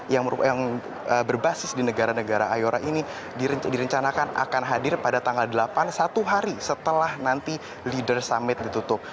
yang berbasis di negara negara iora ini direncanakan akan hadir pada tanggal delapan satu hari setelah nanti leader summit ditutup